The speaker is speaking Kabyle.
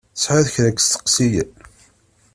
Tesεiḍ kra n yisteqsiyen?